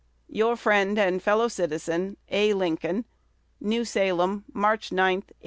Your Friend and Fellow Citizen, A. LINCOLN. New Salem, March 9, 1832.